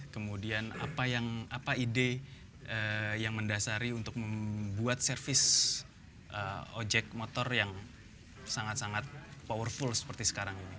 kemudian apa ide yang mendasari untuk membuat servis ojek motor yang sangat sangat powerful seperti sekarang ini